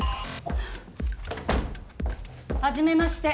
はじめまして。